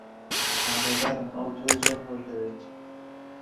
ئاگادارم ئەو تۆی زۆر خۆش دەوێت.